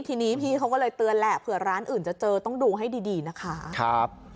ทีนี้พี่เขาก็เลยเตือนแหละเผื่อร้านอื่นจะเจอต้องดูให้ดีนะคะ